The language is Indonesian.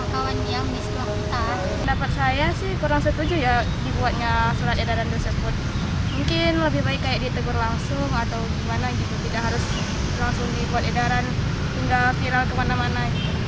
tidak harus langsung dibuat edaran hingga viral kemana mana